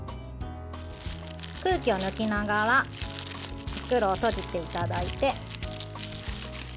空気を抜きながら袋を閉じていただいてもみ込みます。